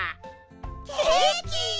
ケーキ！